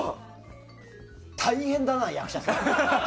大変だな、役者さん。